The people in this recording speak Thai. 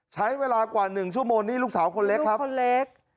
ใช้เวลากว่า๑ชั่วโมงนี่ลูกสาวคนเล็กครับคนเล็ก